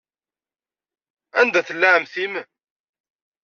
Anida tella ɛemmti-m?